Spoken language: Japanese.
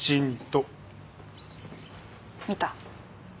見た？